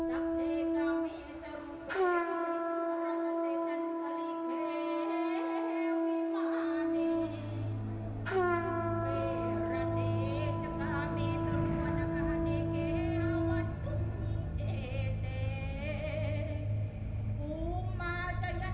หุมาเย็นตุเทวะชละละวิสมิยังถ้าขานทหาวระนาคา